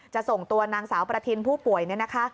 ส่งตัวนางสาวประทินผู้ป่วยเนี่ยนะคะ